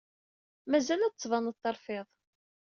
Mazal la d-tettbaned terfid.